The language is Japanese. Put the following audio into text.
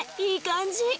いい感じ。